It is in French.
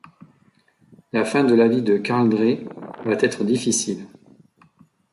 La fin de la vie de Karl Drais va être difficile.